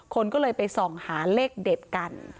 คนก็เลยไปส่องหาเลขเด็ดกัน